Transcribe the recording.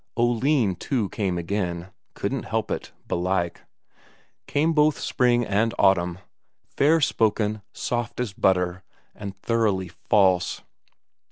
Oline too came again, couldn't help it, belike; came both spring and autumn; fair spoken, soft as butter, and thoroughly false.